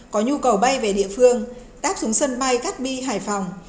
có nhu cầu bay về địa phương tác xuống sân bay cát bi hải phòng